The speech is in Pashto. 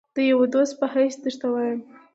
د یوه دوست په حیث درته وایم.